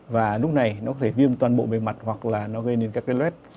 và lúc này nó có thể viêm toàn bộ bề mặt hoặc là nó gây nên các cái lết